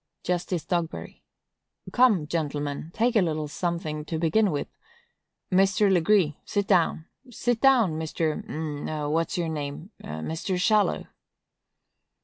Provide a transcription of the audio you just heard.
Justice Dogberry. Come, gentlemen, take a little something, to begin with. Mr. Legree, sit down; sit down, Mr.—a' what's your name?—Mr. Shallow.